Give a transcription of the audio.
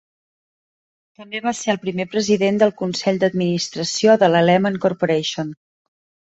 També va ser el primer president del consell d'administració de la Lehman Corporation.